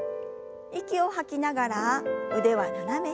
息を吐きながら腕は斜め下。